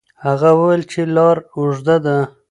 هغه وویل چې لار اوږده ده.